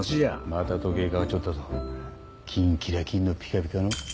また時計変わっちょったぞキンキラキンのピカピカの。